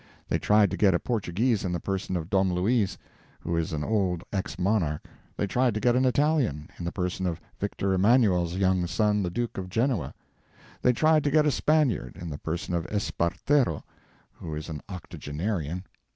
They tried to get a Portuguese in the person of Dom Luis, who is an old ex monarch; they tried to get an Italian, in the person of Victor Emanuel's young son, the Duke of Genoa; they tried to get a Spaniard, in the person of Espartero, who is an octogenarian.